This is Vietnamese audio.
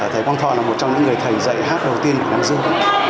thầy quang thọ là một trong những người thầy dạy hát đầu tiên ở đăng dương